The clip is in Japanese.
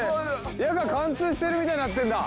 矢が貫通してるみたいになってんだ。